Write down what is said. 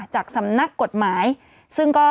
จากสำนักกฎหมายซึ่งก็